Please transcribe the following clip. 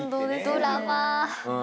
ドラマ。